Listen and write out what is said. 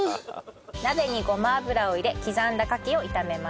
鍋にごま油を入れ刻んだカキを炒めます。